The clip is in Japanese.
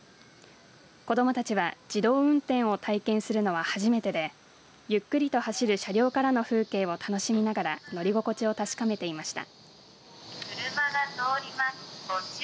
子どもたちは自動運転を体験するのは初めてでゆっくりと走る車両からの風景を楽しみながら乗り心地を確かめていました。